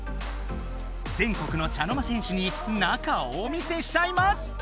全国の茶の間戦士に中をお見せしちゃいます！